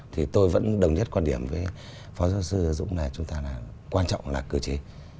thì tôi vẫn đồng nhất quan điểm với phó giáo sư dũng là chúng ta là quan trọng là cơ chế